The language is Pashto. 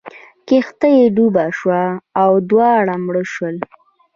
کښتۍ ډوبه شوه او دواړه مړه شول.